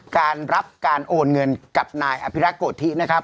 การรับการโอนเงินกับนายอภิรักษ์โกธินะครับ